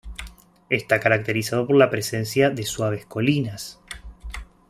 Esta caracterizado por la presencia de suaves colinas.